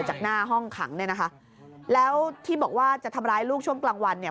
จากหน้าห้องขังเนี่ยนะคะแล้วที่บอกว่าจะทำร้ายลูกช่วงกลางวันเนี่ย